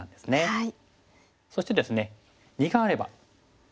はい。